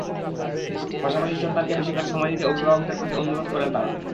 পাশাপাশি সন্তানকে বেশি করে সময় দিতে অভিভাবকদের প্রতি অনুরোধ করেন তাঁরা।